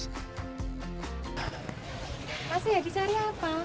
mas saya dicari apa